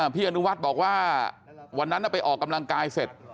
พี่อนุวัฒน์บอกว่าวันนั้นไปออกกำลังกายเสร็จ